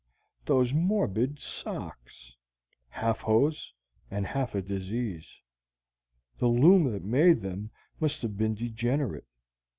Those morbid socks! half hose and half a disease. The loom that made them must have been degenerate.